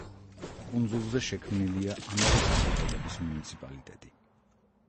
კუნძულზე შექმნილია ამავე სახელწოდების მუნიციპალიტეტი.